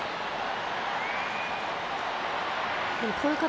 こういう形。